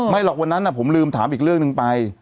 หรอกวันนั้นผมลืมถามอีกเรื่องหนึ่งไป